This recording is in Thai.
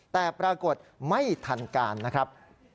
แต่ปรากฏไม่ทันการนะครับ